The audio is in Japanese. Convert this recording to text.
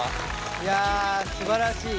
いやすばらしい。